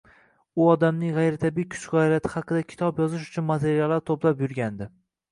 U odamning gʻayritabiiy kuch-gʻayrati haqida kitob yozish uchun materiallar toʻplab yurgandi